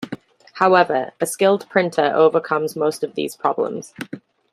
However, a skilled printer overcomes most of these problems.